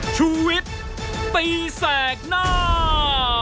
ชูเวทตีแสดหน้า